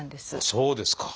そうですか！